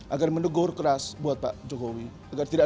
agar mendegur keras buat pak jokowi agar tidak